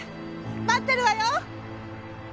待ってるわよ！